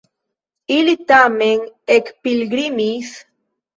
Ili tamen ekpilgrimis.